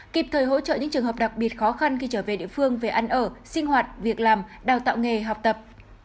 kịp thời hỗ trợ những trường hợp đặc biệt khó khăn khi trở về địa phương về ăn ở sinh hoạt việc làm đào tạo nghề học tập